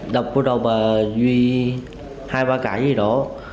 đọc vô đầu bà duy hai ba cái gì đó